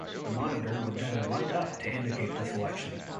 The monitor would then light up to indicate the selection.